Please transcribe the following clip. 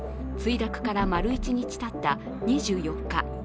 墜落から丸一日たった２４日。